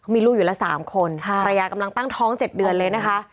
มีลูกอยู่ละ๓คนภรรยากำลังตั้งท้อง๗เดือนเลยนะคะ